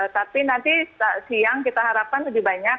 tapi nanti siang kita harapkan lebih banyak